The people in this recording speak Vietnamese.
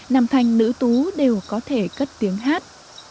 nam thanh nữ tú đều có thể cất tiếng hát